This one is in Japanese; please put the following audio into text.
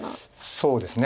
そうですね。